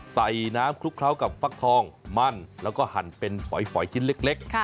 ใส่น้ำคลุกเคล้ากับฟักทองมั่นแล้วก็หั่นเป็นฝอยชิ้นเล็ก